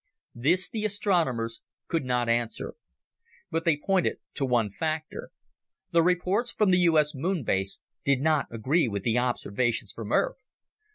This the astronomers could not answer. But they pointed to one factor. The reports from the U.S. Moon Base did not agree with the observations from Earth.